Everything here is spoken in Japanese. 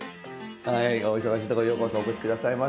お忙しいところようこそお越し下さいました。